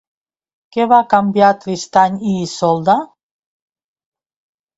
Què va canviar Tristany i Isolda?